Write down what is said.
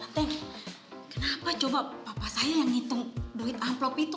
manteng kenapa coba papa saya yang hitung duit envelope itu